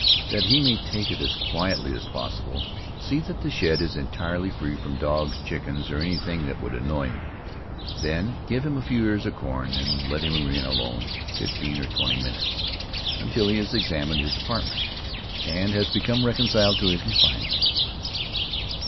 That he may take it as quietly as possible, see that the shed is entirely free from dogs, chickens, or anything that would annoy him; then give him a few ears of corn, and let him remain alone fifteen or twenty minutes, until he has examined his apartment, and has become reconciled to his confinement.